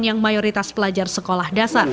yang mayoritas pelajar sekolah dasar